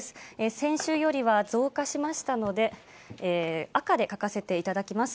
先週よりは増加しましたので、赤で書かせていただきます。